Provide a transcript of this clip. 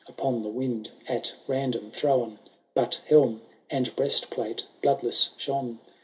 Upon the wind at random thrown. But helm and breastplate bloodless shone.